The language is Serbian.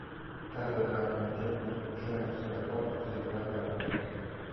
Ердоган је међутим, чини се, одбацио те препоруке.